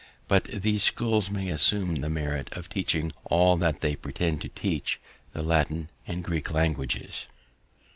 But these schools may assume the merit of teaching all that they pretend to teach, the Latin and Greek languages.'"